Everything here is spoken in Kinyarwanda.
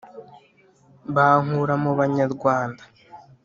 bankura mu banyarwanda!”